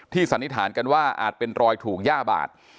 สันนิษฐานกันว่าอาจเป็นรอยถูกย่าบาด